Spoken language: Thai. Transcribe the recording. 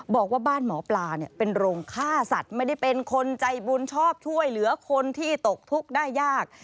บอกว่าบ้านหมอปลาเนี่ยเป็นโรงฆ่าสัตว์ไม่ได้เป็นคนใจบุญชอบช่วยเหลือคนที่ตกทุกข์ได้ยาก